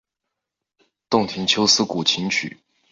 洞庭秋思古琴曲。